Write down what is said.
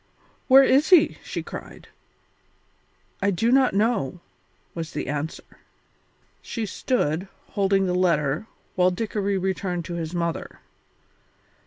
"Where is he?" she cried. "I do not know," was the answer. She stood, holding the letter, while Dickory returned to his mother.